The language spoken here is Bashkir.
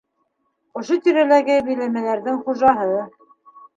Ошо тирәләге биләмәләрҙең хужаһы.